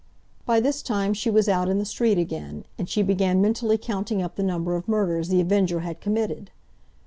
By this time she was out in the street again, and she began mentally counting up the number of murders The Avenger had committed.